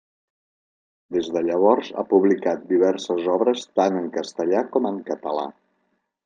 Des de llavors ha publicat diverses obres tant en castellà com en català.